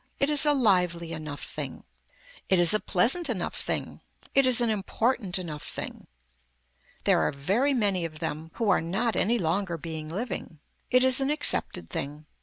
It is a lively enough thing. It is a pleasant enough thing. It is an important enough thing. There are very many of them who are not any longer being living. It is an accepted thing.